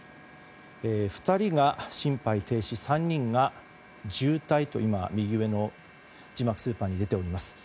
２人が心肺停止３人が重体と右上の字幕スーパーに出ていました。